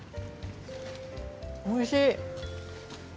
おいしい。